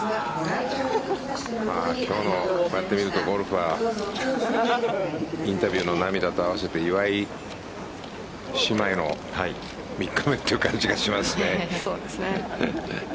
こうやって見ると今日のゴルフはインタビューの涙と合わせて岩井姉妹の３日目という感じがしますね。